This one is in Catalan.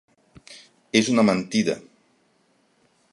És una mentida!